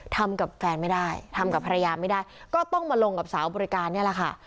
ทำกับแฟนไม่ได้ทำกับภรรยาไม่ได้ก็ต้องมาลงกับสาวบริการนี่แหละค่ะ